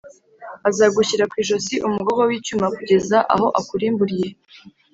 azagushyira ku ijosi umugogo w’icyuma kugeza aho akurimburiye.